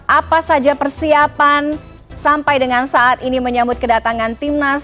apa saja persiapan sampai dengan saat ini menyambut kedatangan timnas